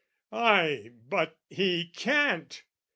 Ay, but he can't!